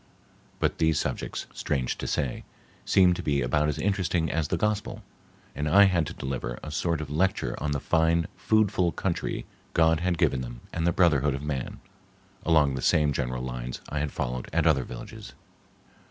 but these subjects, strange to say, seemed to be about as interesting as the gospel, and I had to delivery sort of lecture on the fine foodful country God had given them and the brotherhood of man, along the same general lines I had followed at other villages.